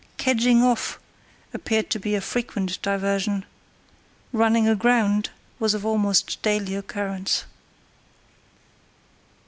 "Kedging off" appeared to be a frequent diversion; "running aground" was of almost daily occurrence.